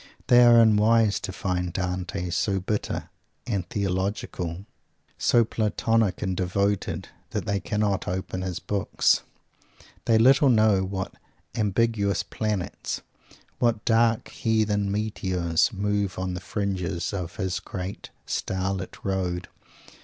They are unwise who find Dante so bitter and theological, so Platonic and devoted, that they cannot open his books. They little know what ambiguous planets, what dark heathen meteors move on the fringe of his great star lit road.